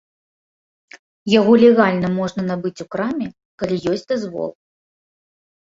Яго легальна можна набыць у краме, калі ёсць дазвол.